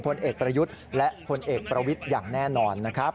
พลเอกประยุทธ์และพลเอกประวิทย์อย่างแน่นอนนะครับ